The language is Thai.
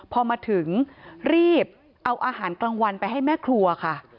พอมาถึงรีบเอาอาหารกลางวันไปให้แม่ครัวค่ะ